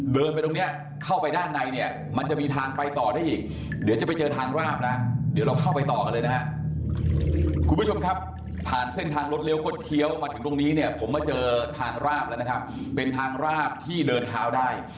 เดินไปตรงเนี้ยเข้าไปด้านในเนี่ยมันจะมีทางไปต่อได้อีกเดี๋ยวจะไปเจอทางราบนะเดี๋ยวเราเข้าไปต่อกันเลยนะฮะคุณผู้ชมครับผ่านเส้นทางรถเลี้ยคดเคี้ยวมาถึงตรงนี้เนี่ยผมมาเจอทางราบแล้วนะครับเป็นทางราบที่เดินเท้าได้